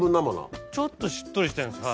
ちょっとしっとりしてるんです。